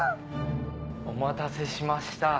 お待たせしました。